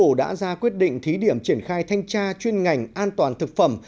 chính phủ đã ra quyết định thí điểm triển khai thanh tra chuyên ngành an toàn thực phẩm